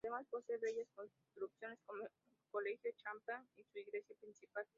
Además, posee bellas construcciones como el colegio Champagnat y su iglesia principal.